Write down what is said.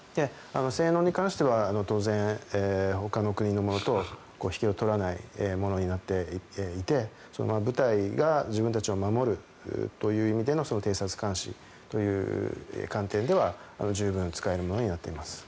性能に関しては当然ほかの国のものと引けを取らないものになっていて部隊が自分たちを守るという意味での偵察監視という観点では十分使えるものになっています。